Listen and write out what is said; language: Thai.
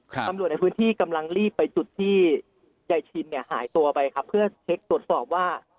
ตำรวจในพื้นที่กำลังรีบไปจุดที่ยายชินเนี่ยหายตัวไปครับเพื่อเช็คตรวจสอบว่า